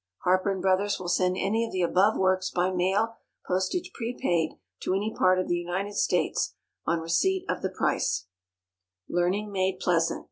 HARPER & BROTHERS will send any of the above works by mail, postage prepaid, to any part of the United States, on receipt of the price. "_Learning made pleasant.